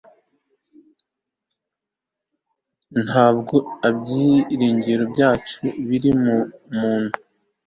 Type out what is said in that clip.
Ntabwo ibyiringiro byacu biri mu muntu